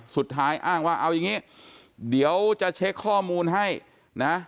อ้างว่าเอาอย่างนี้เดี๋ยวจะเช็คข้อมูลให้นะ